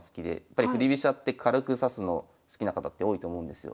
振り飛車って軽く指すの好きな方って多いと思うんですよ。